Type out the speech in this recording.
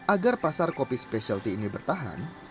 agar pasar kopi spesialty ini bertahan